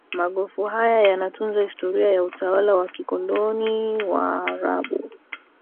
Magofu hayo yanatunza historia ya utawala wa kikoloni wa waarabu